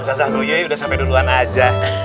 ustazah noyai udah sampe duluan aja